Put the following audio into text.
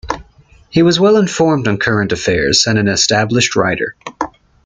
He was well informed on current affairs and an established writer.